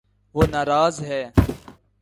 وہ نا راض ہے